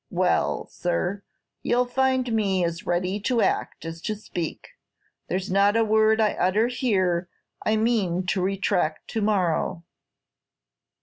Well, sir, you'll find me as ready to act as to speak. There's not a word I utter here I mean to retract to morrow."